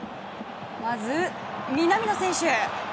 まず、南野選手！